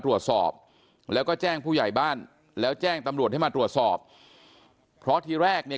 ตรวจสอบแล้วก็แจ้งผู้ใหญ่บ้านแล้วแจ้งตำรวจให้มาตรวจสอบเพราะทีแรกเนี่ย